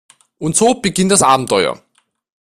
Und so beginnt das Abenteuer.